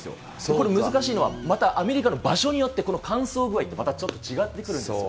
これ難しいのは、またアメリカの場所によって、この乾燥具合ってまたちょっと違ってくるんですよ。